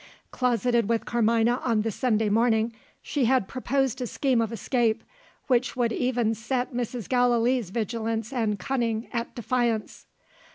Closeted with Carmina on the Sunday morning, she had proposed a scheme of escape, which would even set Mrs. Gallilee's vigilance and cunning at defiance.